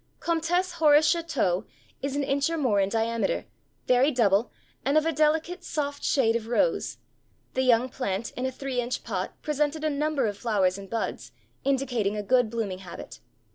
"Comtesse Horace Choeteau, is an inch or more in diameter, very double, and of a delicate, soft shade of rose; the young plant in a three inch pot presented a number of flowers and buds, indicating a good blooming habit.